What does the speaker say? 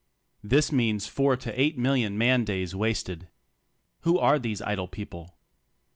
This means four to eight million man days wasted. Who are these idle people